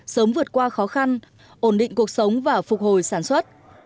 sớm vượt qua khó khăn ổn định cuộc sống và phục hồi sản xuất